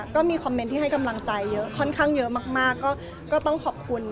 ก็มีคอมเมนต์ที่ให้กำลังใจเยอะค่อนข้างเยอะมากก็ต้องขอบคุณ